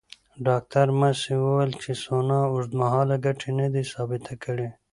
ډاکټره ماسي وویل چې سونا اوږدمهاله ګټې ندي ثابته کړې.